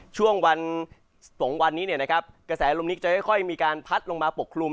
ช่วงวัน๒วันนี้กระแสลมนี้จะค่อยมีการพัดลงมาปกคลุม